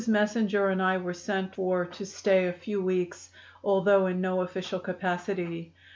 Messinger and I were sent for to stay a few weeks, although in no official capacity.